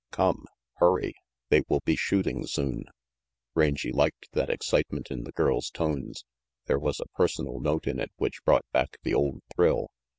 Come. Hurry. They will be shooting soon." Rangy liked that excitement in the girl's tones. There was a personal note in it which brought back the old thrill.